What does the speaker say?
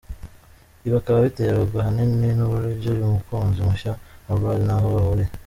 Ibi , akaba abiterwa ahanini nuburyo uyu mukunzi mushya wa Brand ntaho bahuriye.